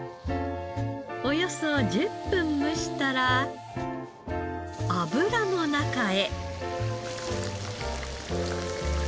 およそ１０分蒸したら油の中へ。